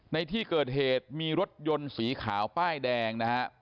ในที่เกิดเหตุมีรถยนต์สีขาวป้ายแดงนะฮะ